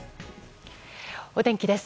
お天気です。